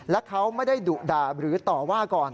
และเขาไม่ได้ดุด่าหรือต่อว่าก่อน